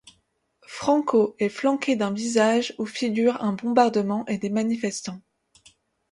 Franco est flanqué d'un visage où figure un bombardement et des manifestants.